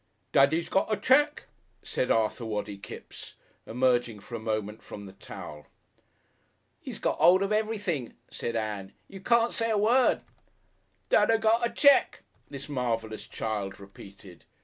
"Dadda's got a cheque," said Arthur Waddy Kipps, emerging for a moment from the towel. "'E gets 'old of everything," said Ann. "You can't say a word " "Dadda got a cheque," this marvellous child repeated.